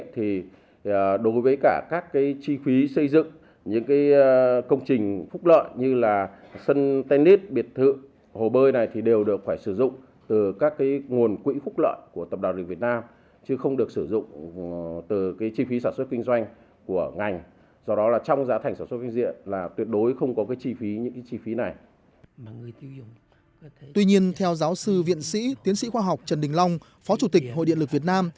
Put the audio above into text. tuy nhiên theo giáo sư viện sĩ tiến sĩ khoa học trần đình long phó chủ tịch hội điện lực việt nam